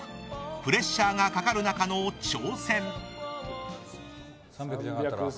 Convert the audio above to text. プレッシャーがかかる中の挑戦。